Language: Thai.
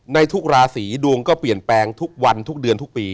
ในทุกราศีดวงก็เปลี่ยนแปลงทุกวันทุกเดือนทุกปี